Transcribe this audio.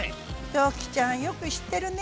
ドッキーちゃんよく知ってるね。